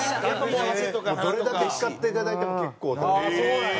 もうどれだけ使っていただいても結構という。